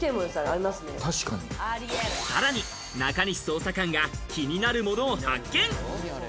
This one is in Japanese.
さらに中西捜査官が気になるものを発見。